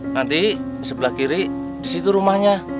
nanti sebelah kiri di situ rumahnya